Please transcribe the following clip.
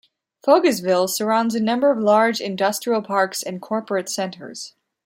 Fogelsville surrounds a number of large industrial parks and corporate centers.